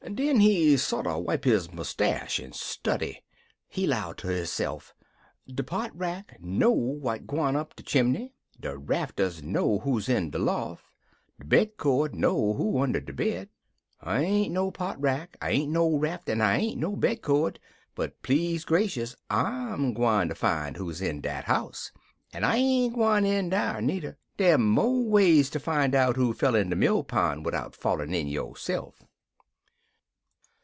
"Den he sorter wipe his mustach en study. He 'low ter hisse'f, 'De pot rack know what gwine up de chimbley, de rafters know who's in de loft, de bed cord know who und' de bed. I ain't no pot rack, I ain't no rafter, en I ain't no bed cord, but, please gracious! I'm gwine ter fin' who's in dat house, en I ain't gwine in dar nudder. Dey mo' ways ter fin' out who fell in de mill pond widout fallin' in yo'se'f.'